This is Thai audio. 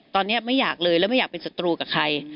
ตอนนี้ไม่อยากเลยแล้วไม่อยากเป็นศัตรูกับใคร